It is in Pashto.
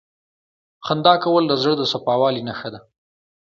• خندا کول د زړه د صفا والي نښه ده.